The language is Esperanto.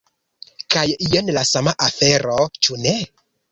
Kaj jen la sama afero, ĉu ne?